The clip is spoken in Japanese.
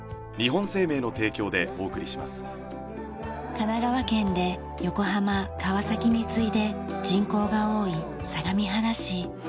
神奈川県で横浜川崎に次いで人口が多い相模原市。